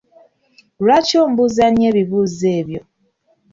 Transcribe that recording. Lwaki ombuuza nnyo ebibuuzo ebyo?